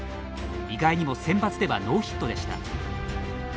意外にも、センバツではノーヒットでした。